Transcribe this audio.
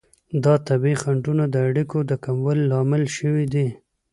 دا طبیعي خنډونه د اړیکو د کموالي لامل شوي دي.